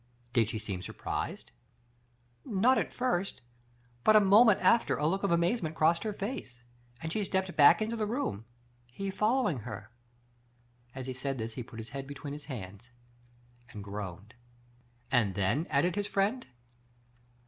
" Did she seem surprised ?"" Not at first. But a moment after a look of amazement crossed her face, and she stepped back into the room, he following her." As he said this he put his head between his hands and groaned. " And then ?" added his friend.